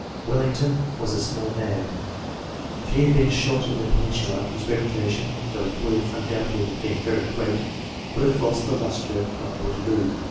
Wellington was a small man ; if he had been shot in the Peninsula, his reputation, though it would have undoubtedly been very great, would have lost the lustre of Waterloo.